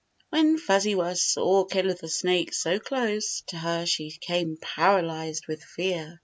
When Fuzzy Wuzz saw Killer the Snake so close to her she became paralyzed with fear.